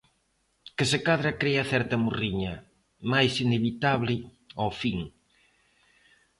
Que se cadra crea certa morriña, mais inevitable ó fin.